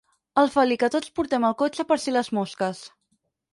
El felí que tots portem al cotxe per si les mosques.